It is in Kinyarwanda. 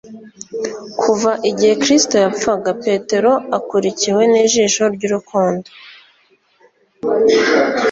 Kuva igihe Kristo yapfaga, Petero akurikiwe n'ijisho ry'urukundo